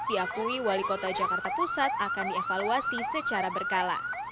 diakui wali kota jakarta pusat akan dievaluasi secara berkala